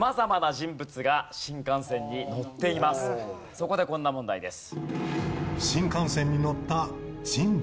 そこでこんな問題です。